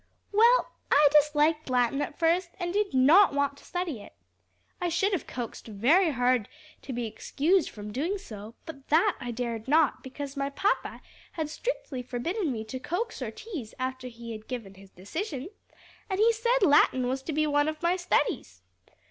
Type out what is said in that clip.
"Well, I disliked Latin at first, and did not want to study it. I should have coaxed very hard to be excused from doing so, but that I dared not, because my papa had strictly forbidden me to coax or tease after he had given his decision; and he had said Latin was to be one of my studies.